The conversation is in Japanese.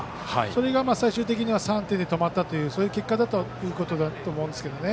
それが最終的には３点で止まったという結果だということだと思うんですけど。